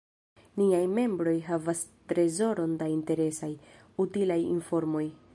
Niaj membroj havas trezoron da interesaj, utilaj informoj.